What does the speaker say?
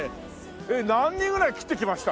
えっ何人ぐらい斬ってきました？